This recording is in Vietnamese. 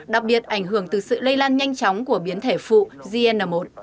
đặc biệt ảnh hưởng từ sự lây lan nhanh chóng của biến thể phụ zn một